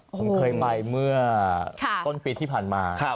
ผมเคยไปเมื่อต้นปีที่ผ่านมา